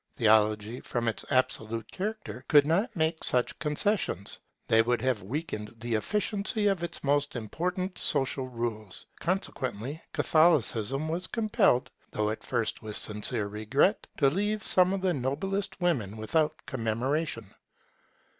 Theology, from its absolute character, could not make such concessions; they would have weakened the efficiency of its most important social rules. Consequently, Catholicism was compelled, though at first with sincere regret, to leave some of the noblest women without commemoration.